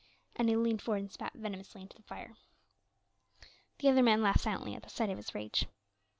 And he leaned forward and spat venomously into the fire. The other man laughed silently at sight of his rage.